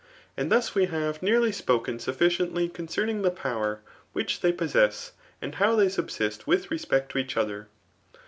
And thus we have nearly vpoken stiffidendy coneerping Ae power which they poneai^ and how* lliej criisisr with respect to each other.